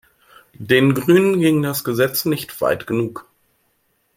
Den Grünen ging das Gesetz nicht weit genug.